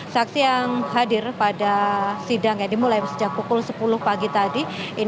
saksi yang hadir pada sidang yang dimulai sejak pukul sepuluh pagi tadi